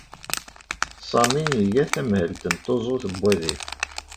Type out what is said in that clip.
Sami iga tamhelt n tuẓut n wadif.